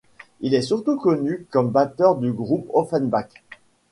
Il est surtout connu comme batteur du groupe Offenbach.